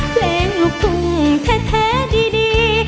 เพลงลูกภูมิแท้แท้ดี